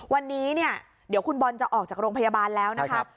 วันนี้เนี่ยเดี๋ยวคุณบอลจะออกจากโรงพยาบาลแล้วนะครับ